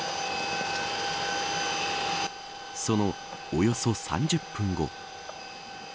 そのおよそ３０分後。